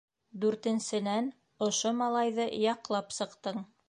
Дүртенсенән, ошо малайҙы яҡлап сыҡтың.